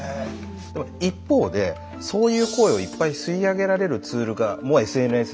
一方でそういう声をいっぱい吸い上げられるツールもＳＮＳであったと。